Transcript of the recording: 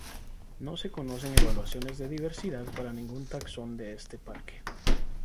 No se conocen evaluaciones de diversidad para ningún taxón de este parque.